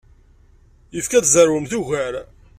Yessefk ad tzerwemt ugar.